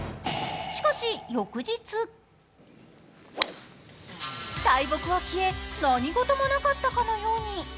しかし、翌日大木は消え何事もなかったかのように。